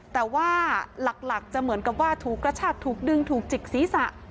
แต่ว่าหลักจะเหมือนกับว่าถูกกระชากถูกดึงถูกจิกศีรษะ